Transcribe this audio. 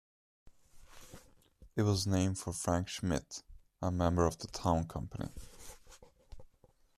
It was named for Frank Schmidt, a member of the town company.